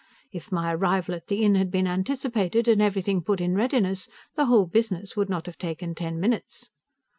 If my arrival at the inn had been anticipated, and everything put in readiness, the whole business would not have taken ten minutes.